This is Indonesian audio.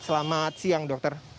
selamat siang dokter